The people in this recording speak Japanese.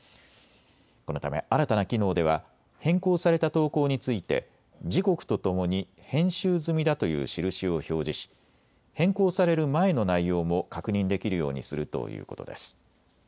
このため新たな機能では変更された投稿について時刻とともに編集済みだという印を表示し変更される前の内容も確認できるようにするということです。